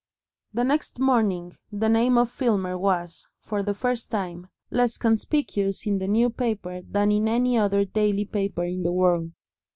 The next morning the name of Filmer was, for the first time, less conspicuous in the New Paper than in any other daily paper in the world.